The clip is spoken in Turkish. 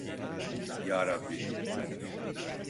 Yarabbi…